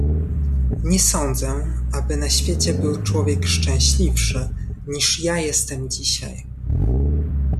"Nie sadzę, aby na świecie był człowiek szczęśliwszy, niż ja jestem dzisiaj."